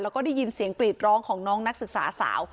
แล้วก็ได้ยินเสียงกรีดร้องของน้องนักศึกษาสาว